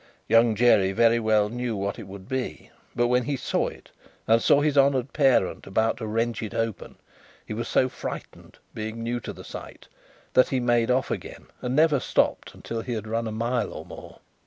Young Jerry very well knew what it would be; but, when he saw it, and saw his honoured parent about to wrench it open, he was so frightened, being new to the sight, that he made off again, and never stopped until he had run a mile or more.